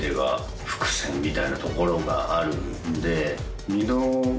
みたいなところがあるんで。